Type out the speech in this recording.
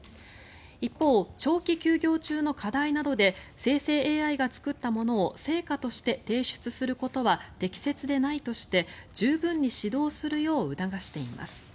一方、長期休業中の課題などで生成ＡＩが作ったものを成果として提出することは適切でないとして十分に指導するよう促しています。